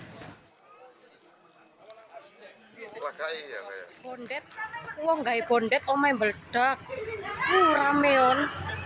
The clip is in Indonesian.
sebelumnya saudara pada jumat malam